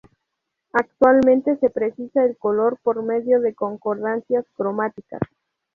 Actualmente se precisa el color por medio de concordancias cromáticas.